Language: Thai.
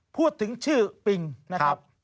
พูดถึงชื่อปิงนะครับ